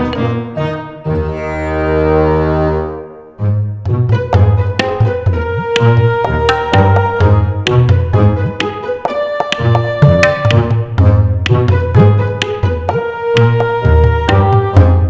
jangan duduk sembarangan